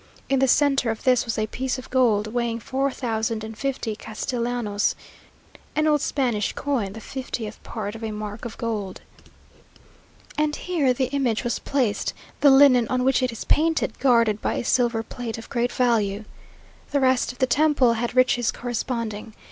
In the centre of this was a piece of gold, weighing four thousand and fifty castellanos (an old Spanish coin, the fiftieth part of a mark of gold), and here the image was placed, the linen on which it is painted guarded by a silver plate of great value. The rest of the temple had riches corresponding.